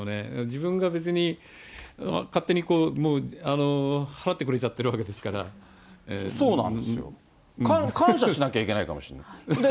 自分が別に勝手に払ってくれちゃそうなんですよ。感謝しなきゃいけないかもしれない。